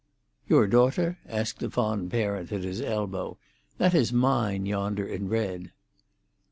"Your daughter?" asked the fond parent at his elbow. "That is mine yonder in red."